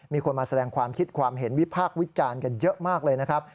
มีคนมาแสดงความคิดความเห็นวิพากษ์วิจารณ์กันเยอะมากเลยนะครับ